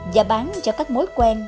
và bán cho các mối quen